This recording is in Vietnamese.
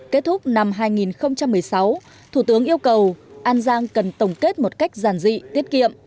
kết thúc năm hai nghìn một mươi sáu thủ tướng yêu cầu an giang cần tổng kết một cách giản dị tiết kiệm